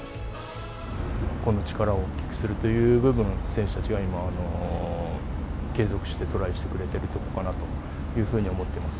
個の力を大きくするという部分を選手たちが継続してトライしてくれているところかなと思っています。